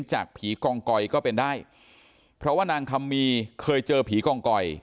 จากผีกองกอยก็เป็นได้เพราะว่านางคำมีเคยเจอผีกองกอย